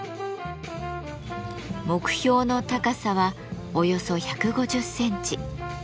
目標の高さはおよそ１５０センチ。